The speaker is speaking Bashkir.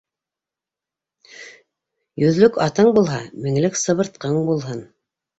Йөҙлөк атың булһа, меңлек сыбыртҡың булһын.